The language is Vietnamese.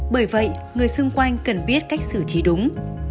bởi vậy người xung quanh cần biết cách xử trí đúng